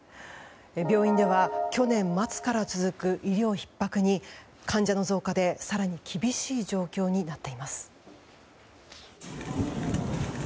病院では去年末から続く医療ひっ迫に患者の増加で更に厳しい状況になっています。